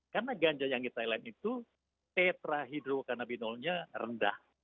karena ganja yang di thailand itu tetrahydrokanabinolnya rendah